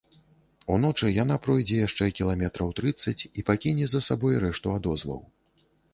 Уночы яна пройдзе яшчэ кіламетраў трыццаць і пакіне за сабой рэшту адозваў.